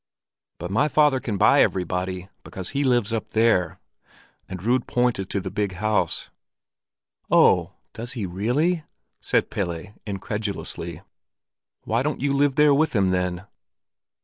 "But my father can buy everybody, because he lives up there." And Rud pointed toward the big house. "Oh, does he really?" said Pelle, incredulously. "Why don't you live there with him, then?"